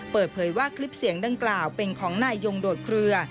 เปิดเผยว่าคลิปเสียงดังกล่าวเป็นของนายยงโดดเคลือ